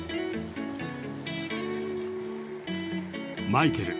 マイケル